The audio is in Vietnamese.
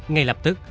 ngay lập tức